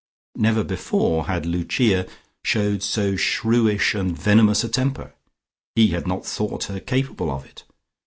Never before had Lucia showed so shrewish and venomous a temper; he had not thought her capable of it.